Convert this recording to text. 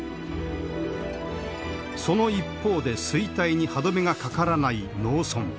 その一方で衰退に歯止めがかからない農村。